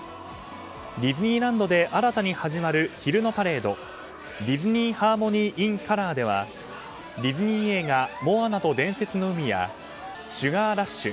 ディズニーランドで新たに始まる昼のパレード「ディズニー・ハーモニー・イン・カラー」ではディズニー映画「モアナと伝説の海」や「シュガー・ラッシュ」